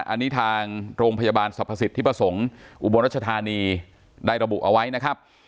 อันนี้ทางโรงพยาบาลสรรพสิทธิประสงค์อุบลรัชธานีได้ระบุเอาไว้นะครับ